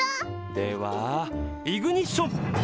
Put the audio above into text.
ではイグニッション！